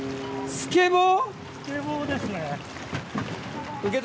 スケボー。